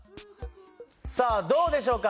さあどうでしょうか？